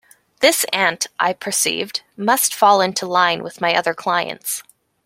This aunt, I perceived, must fall into line with my other clients.